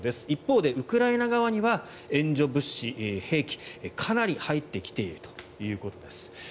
一方でウクライナ側には援助物資兵器がかなり入ってきているということです。